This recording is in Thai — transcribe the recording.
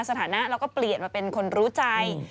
สถานะเราก็เปลี่ยนมาเป็นคนรู้ใจ